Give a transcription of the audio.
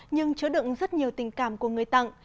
nhưng chứa đựng rất nhiều tình cảm của người tặng